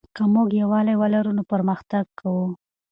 که موږ یووالی ولرو نو پرمختګ کوو.